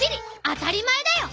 当たり前だよ。